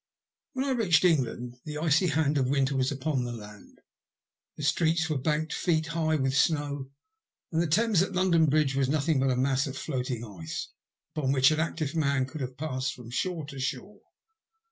WHEN I reached England, the icy hand of winter was upon the land. The streets were banked feet high with snow, and the Thames at London Bridge was nothing but a mass of floating ice upon which an active man could have passed from shore to shore.